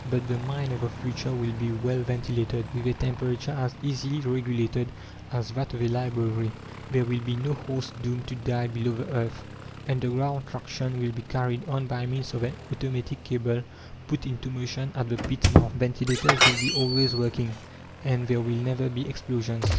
But the mine of the future will be well ventilated, with a temperature as easily regulated as that of a library; there will be no horses doomed to die below the earth: underground traction will be carried on by means of an automatic cable put into motion at the pit's mouth. Ventilators will be always working, and there will never be explosions.